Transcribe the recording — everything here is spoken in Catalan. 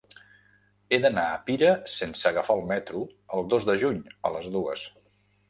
He d'anar a Pira sense agafar el metro el dos de juny a les dues.